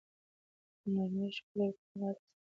که نرمښت ولرو نو له حالاتو سره جوړیږو.